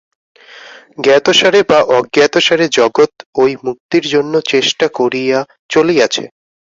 জ্ঞাতসারে বা অজ্ঞাতসারে জগৎ ঐ মুক্তির জন্য চেষ্টা করিয়া চলিয়াছে।